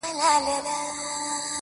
هغه د صحنې له وضعيت څخه حيران ښکاري